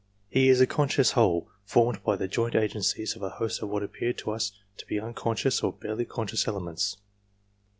He is a conscious whole, formed by the joint agencies of a host of what appear to us to be unconscious or barely conscious elements.